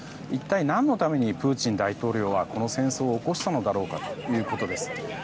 一体何のためにプーチン大統領はこの戦争を起こしたのだろうかということです。